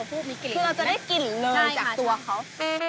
คือเราจะได้กลิ่นเลยจากตัวเขา